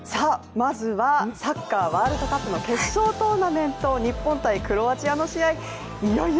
まずはサッカーワールドカップの決勝トーナメント日本×クロアチアの試合、いよいよ。